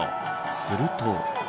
すると。